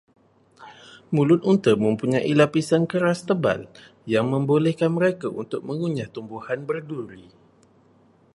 Mulut unta mempunyai lapisan keras tebal, yang membolehkan mereka untuk mengunyah tumbuhan berduri.